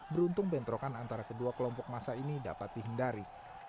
beruntung bentrokan antara kedua kelompok masa ini dapat dihindari